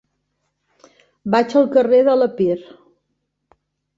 Vaig al carrer de l'Epir.